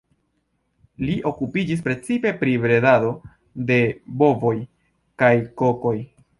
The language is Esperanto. Li okupiĝis precipe pri bredado de bovoj kaj kokoj.